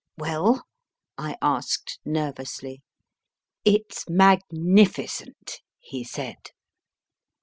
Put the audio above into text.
Well ? I asked, nervously. It s magnificent, he said.